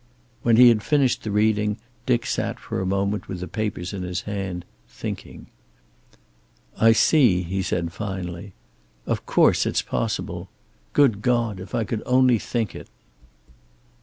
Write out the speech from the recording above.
When he had finished the reading Dick sat for a moment with the papers in his hand, thinking. "I see," he said finally. "Of course, it's possible. Good God, if I could only think it."